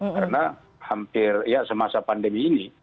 karena hampir ya semasa pandemi ini